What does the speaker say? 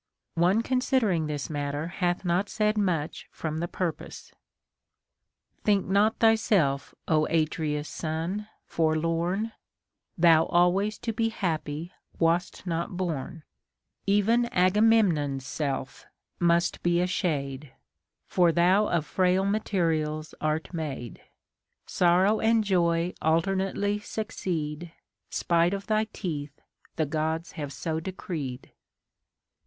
One consider ing this matter hath not said much from the purpose :— Tliink not thyself, Ο Atreus' son, forlorn ; Thou always to be happy wast not born. Even Agamemnon's self must be a shade, For thou of frail materials art made. Sorrow and joy alternately succeed ; 'Spite of thy teeth, the Gods have so decreed.